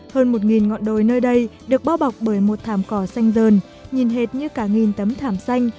hơn một ngọn đồi nơi đây được bao bọc bởi một thảm cỏ xanh dờn nhìn hệt như cả nghìn tấm thảm xanh